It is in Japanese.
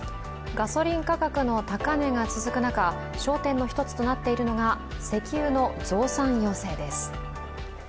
ガソリン価格の高値が続く中、焦点の１つとなっているのが石油の増産要請です。